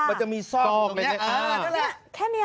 มันจะมีซอกตรงเนี้ย